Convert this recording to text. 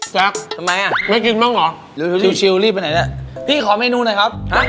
แจ๊คทำไมอ่ะไม่กินต้องหรอเร็วชิลรีบไปไหนละพี่ขอเมนูนะครับ